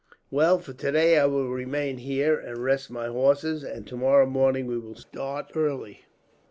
"Well, for today I will remain here and rest my horses; and tomorrow morning we will start, early.